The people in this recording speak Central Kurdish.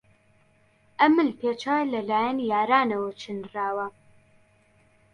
ئەم ملپێچە لەلایەن یارانەوە چنراوە.